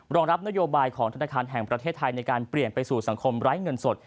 รองรับนโยบายของธนาคารแห่งประเทศไทยในการเปลี่ยนไปสู่สังคมไร้เงินสด